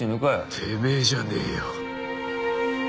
てめえじゃねえよ。